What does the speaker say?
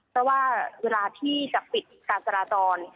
เพราะว่าเวลาที่จะปิดการจราจร